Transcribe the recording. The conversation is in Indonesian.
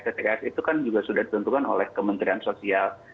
tps itu kan juga sudah ditentukan oleh kementerian sosial